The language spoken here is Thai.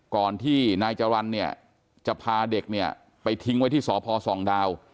ก่อนที่นายจรรย์เนี่ยจะพาเด็กเนี่ยไปทิ้งไว้ที่สพส่องดาว